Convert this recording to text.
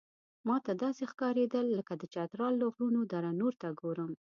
ماته داسې ښکارېدل لکه د چترال له غرونو دره نور ته ګورم.